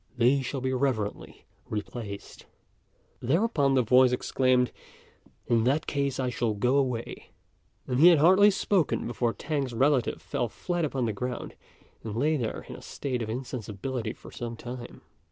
They shall be reverently replaced." Thereupon the voice exclaimed, "In that case, I shall go away;" and he had hardly spoken before T'ang's relative fell flat upon the ground and lay there in a state of insensibility for some time.